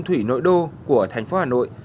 thủy nội đô của thành phố hà nội